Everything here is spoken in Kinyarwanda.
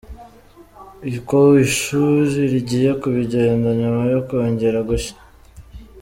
Uko ishuri rigiye kubigenda nyuma yo kongera gushya .